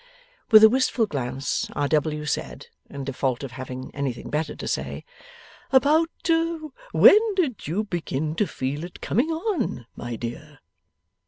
With a wistful glance R. W. said, in default of having anything better to say: 'About when did you begin to feel it coming on, my dear?